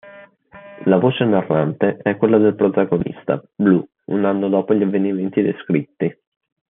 La voce narrante è quella della protagonista, Blue, un anno dopo gli avvenimenti descritti.